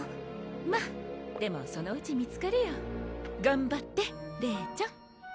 まっでもそのうち見つかるよ。頑張って玲ちゃん。